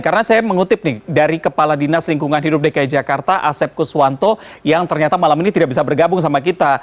karena saya mengutip nih dari kepala dinas lingkungan hidup dki jakarta asep kuswanto yang ternyata malam ini tidak bisa bergabung sama kita